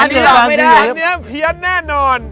อันนี้ก็ลอกไม่ได้เพียญแน่นอน